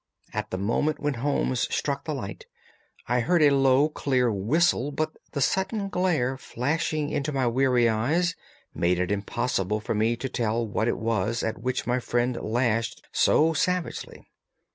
At the moment when Holmes struck the light I heard a low, clear whistle, but the sudden glare flashing into my weary eyes made it impossible for me to tell what it was at which my friend lashed so savagely.